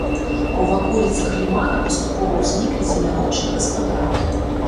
А ў ваколіцах лімана паступова узніклі земляробчыя гаспадаркі.